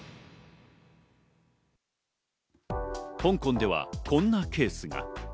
香港ではこんなケースが。